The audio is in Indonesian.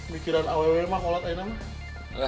mikiran aww mah kalau kayaknya mah